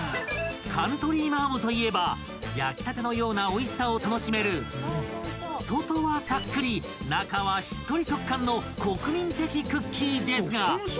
［カントリーマアムといえば焼きたてのようなおいしさを楽しめる外はサックリ中はしっとり食感の国民的クッキーですが］